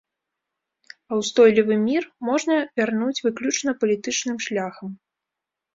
А ўстойлівы мір можна вярнуць выключна палітычным шляхам.